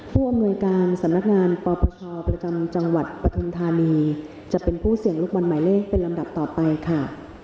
ผู้อำนวยการสำนักงานปปชประจำจังหวัดปฐุมธานีจะเป็นผู้เสี่ยงลูกบอลหมายเลขเป็นลำดับต่อไปค่ะ